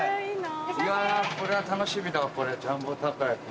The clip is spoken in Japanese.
いやぁこれは楽しみだわジャンボたこ焼き。